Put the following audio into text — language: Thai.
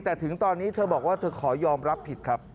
แต่ถึงตอนนี้เธอบอกว่าเธอขอยอมรับผิดครับ